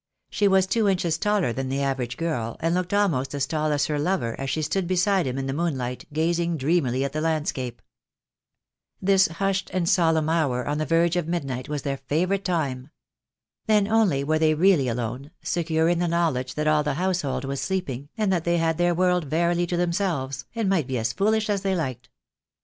She was two inches taller than the average girl, and looked almost as tall as her lover as she stood beside him in the moon light, gazing dreamily at the landscape. This hushed and solemn hour on the verge of mid night was their favourite time. Then only were they really alone, secure in the knowledge that all the house hold was sleeping, and that they had their world verily to themselves, and might be as foolish as they liked.